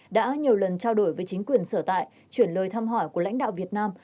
đã nhiều lần trao đổi với chính quyền sở tại chuyển lời thăm hỏi của lãnh đạo việt nam